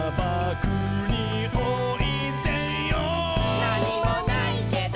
「なにもないけど」